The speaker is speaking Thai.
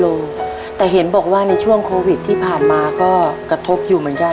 รู้แต่เห็นบอกว่าในช่วงโควิดที่ผ่านมาก็กระทบอยู่เหมือนกัน